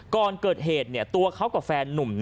ก่อนเกิดเหตุตัวเขากับแฟนนุ่ม